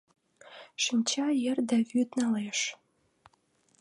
Шинча йыр да вӱд налеш.